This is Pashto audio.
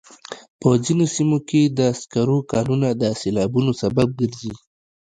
په ځینو سیمو کې د سکرو کانونه د سیلابونو سبب ګرځي.